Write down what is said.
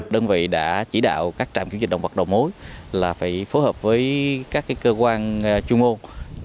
đơn vị đã chỉ đạo các trạm kiểm tra động vật đầu mối là phải phối hợp với các cơ quan chung mối